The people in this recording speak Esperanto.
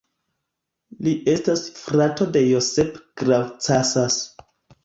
Li estas frato de Josep Grau Casas.